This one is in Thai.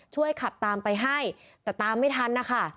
ช่วยขับตามไปให้แต่ตามไม่ทันนะคะ